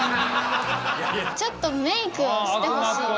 ちょっとメイクをしてほしい。